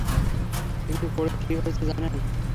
কিন্তু পড়ে কি হয়েছে জানেন?